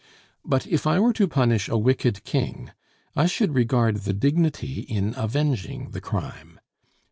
But if I were to punish a wicked king, I should regard the dignity in avenging the crime.